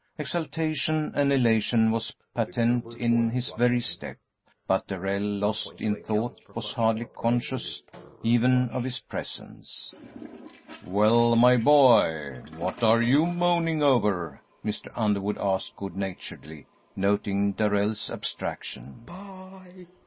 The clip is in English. Exultation and elation were patent in his very step, but Darrell, lost in thought, was hardly conscious even of his presence. "Well, my boy, what are you mooning over?" Mr. Underwood asked, good naturedly, noting Darrell's abstraction.